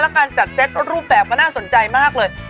และการจัดเซ็ตรูปแบบก็น่าสนใจมากเลย